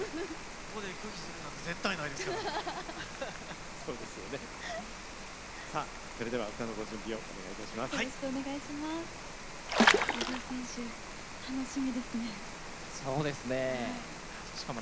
ここで拒否するなんて絶対ないですから！